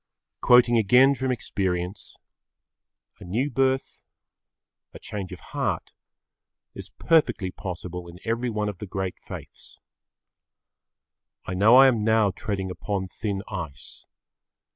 Quoting again from experience, a new birth, a change of heart, is perfectly possible in every one of the great faiths. I know I am now treading upon thin ice.